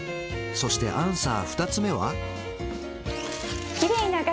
そしてアンサー２つ目は？